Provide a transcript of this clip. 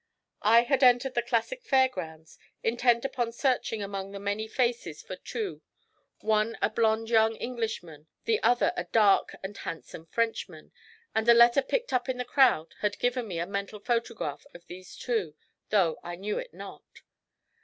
I had entered the classic Fair grounds intent upon searching among the many faces for two, one a blond young Englishman, the other a dark and handsome Frenchman, and a letter picked up in the crowd had given me a mental photograph of these two, though I knew it not.